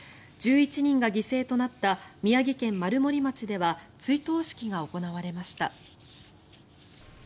１１人が犠牲となった宮城県丸森町では追悼式が行われました。